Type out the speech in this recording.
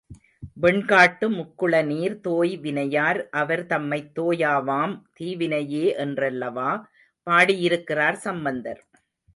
வெண்காட்டு முக்குள நீர் தோய் வினையார் அவர் தம்மைத் தோயாவாம் தீவினையே என்றல்லவா பாடியிருக்கிறார் சம்பந்தர்.